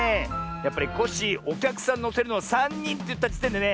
やっぱりコッシーおきゃくさんのせるのはさんにんっていったじてんでね